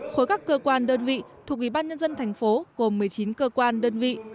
khối các cơ quan đơn vị thuộc ủy ban nhân dân thành phố gồm một mươi chín cơ quan đơn vị